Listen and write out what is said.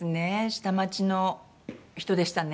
下町の人でしたね。